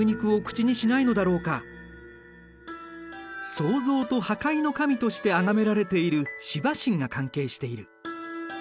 創造と破壊の神としてあがめられているシバ神が関係している。